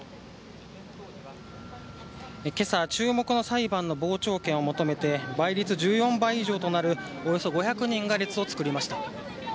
けさ、注目の裁判の傍聴券を求めて、倍率１４倍以上となるおよそ５００人が列を作りました。